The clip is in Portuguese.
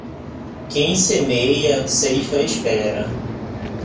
Quem semeia, ceifa espera.